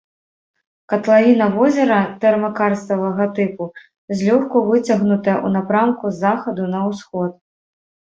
Катлавіна возера тэрмакарставага тыпу, злёгку выцягнутая ў напрамку з захаду на ўсход.